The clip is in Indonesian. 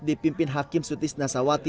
dipimpin hakim sutis nasawati